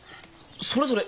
それそれ！